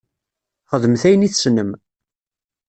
Xedmet ayen i tessnem.